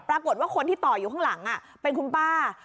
ปรากฏว่าคนที่ต่ออยู่ข้างหลังเป็นคุณป้า